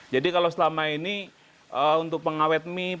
jadi kalau selama ini untuk pengawet nih ya